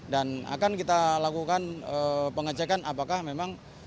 dan akan kita lakukan pengecekan apakah memang